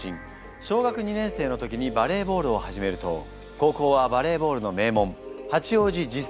小学２年生の時にバレーボールを始めると高校はバレーボールの名門八王子実践高等学校に入学。